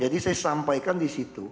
jadi saya sampaikan disitu